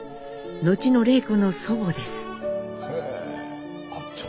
後の礼子の祖母です。